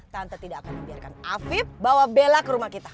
tante tidak akan membiarkan afib bawa bela ke rumah kita